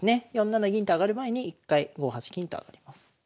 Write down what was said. ４七銀と上がる前に一回５八金と上がります。